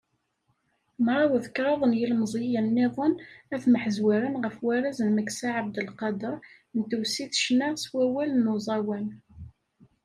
Mraw d kraḍ n yilmeẓyen-nniḍen, ad mḥezwaren ɣef warraz n Meksa Ɛabdelqader, n tewsit ccna s wallal n uẓawan.